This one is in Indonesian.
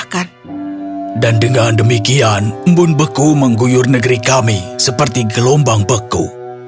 dan dengan demikian mbun beku mengguyur negeri kami seperti gelombang beku